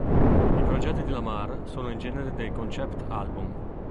I progetti di Lamar sono in genere dei concept album.